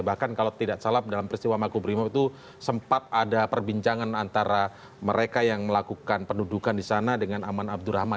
bahkan kalau tidak salah dalam peristiwa makubrimo itu sempat ada perbincangan antara mereka yang melakukan pendudukan di sana dengan aman abdurrahman